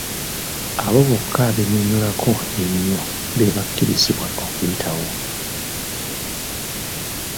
Abo bokka abennyonnyolako ennyo be bakkirizibwa okuyitawo.